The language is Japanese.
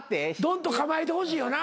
ドンと構えてほしいよな。